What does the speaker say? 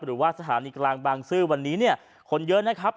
หรือว่าสถานีกลางบางซื่อวันนี้เนี่ยคนเยอะนะครับ